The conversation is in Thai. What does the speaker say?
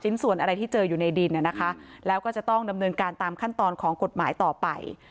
ส่วนอะไรที่เจออยู่ในดินนะคะแล้วก็จะต้องดำเนินการตามขั้นตอนของกฎหมายต่อไป